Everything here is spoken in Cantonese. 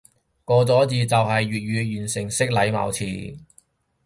個咗字就係粵語完成式體貌詞